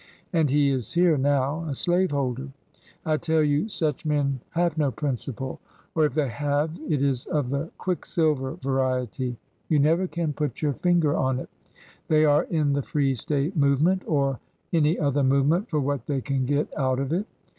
And he is here now— a slaveholder ! I tell you such men have no principle — or, if they have, it is of the quicksilver variety. You never can put your finger on it ! They are in the free State movement or any other movement for what they can get out of it.